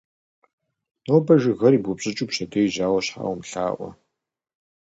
Нобэ жыгхэр ибупщӀыкӀу, пщэдей жьауэ щхьа умылъаӀуэ.